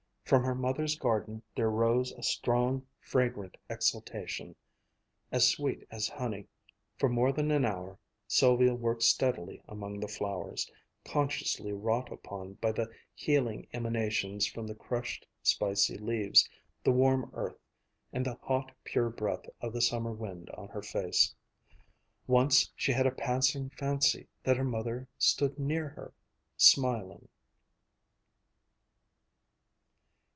From her mother's garden there rose a strong, fragrant exhalation, as sweet as honey. For more than an hour Sylvia worked steadily among the flowers, consciously wrought upon by the healing emanations from the crushed, spicy leaves, the warm earth, and the hot, pure breath of the summer wind on her face. Once she had a passing fancy that her mother stood near her ... smiling.